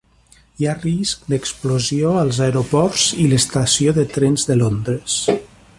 Hi ha risc d'explosió als aeroports i l'estació de tren de Londres